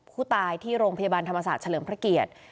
ผู้ตายที่โรงพยาบาลธรรมศาสตร์เฉลิมพระเกียรติ